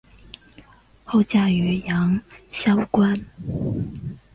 后嫁于杨肃观。